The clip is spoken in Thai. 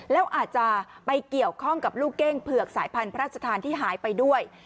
แล้วอาจจะไปเกี่ยวข้องกับลูกเก้งเผือกสายพันธุ์พระราชทานที่หายไปด้วย